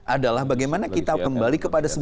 adalah bagaimana kita kembali kepada